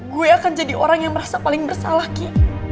gue akan jadi orang yang merasa paling bersalah ki